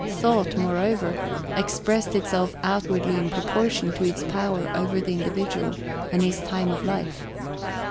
Thought, moreover, expressed itself outwardly in proportion to its power over the individual and his time of life.